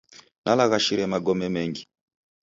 Nalaghashire magome mengi.